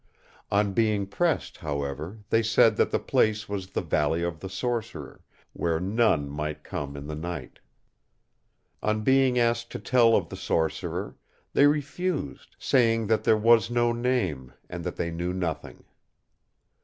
On being pressed, however, they said that the place was the Valley of the Sorcerer, where none might come in the night. On being asked to tell of the Sorcerer, they refused, saying that there was no name, and that they knew nothing.